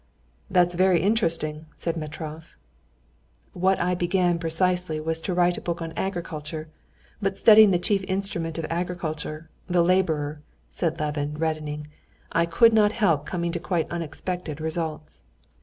"That's very interesting," said Metrov. "What I began precisely was to write a book on agriculture; but studying the chief instrument of agriculture, the laborer," said Levin, reddening, "I could not help coming to quite unexpected results."